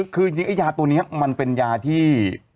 คือจริงไอ้ยาตัวนี้มันเป็นยาที่